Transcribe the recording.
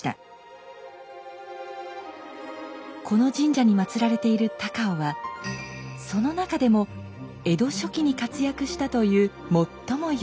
この神社に祀られている高尾はその中でも江戸初期に活躍したという最も有名な人物です。